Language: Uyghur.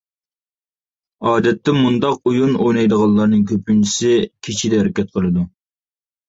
ئادەتتە مۇنداق ئويۇن ئوينايدىغانلارنىڭ كۆپىنچىسى كېچىدە ھەرىكەت قىلىدۇ.